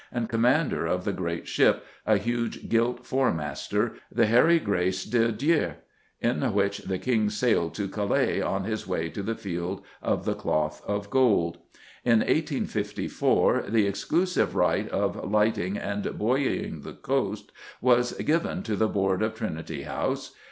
and commander of the great ship, "a huge gilt four master, the Harry Grace de Dieu," in which the King sailed to Calais on his way to the Field of the Cloth of Gold. In 1854 "the exclusive right of lighting and buoying the coast" was given to the Board of Trinity House.